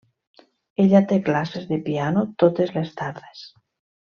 Ella té classes de piano totes les tardes.